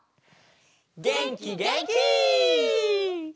げんきげんき！